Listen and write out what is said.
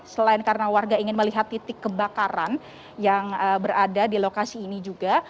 selain karena warga ingin melihat titik kebakaran yang berada di lokasi ini juga